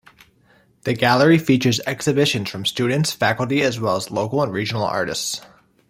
The gallery features exhibitions from students, faculty, as well as local and regional artists.